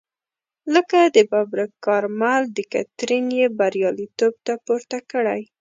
لکه د ببرک کارمل دکترین یې بریالیتوب ته پورته کړی.